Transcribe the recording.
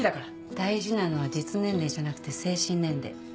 大事なのは実年齢じゃなくて精神年齢。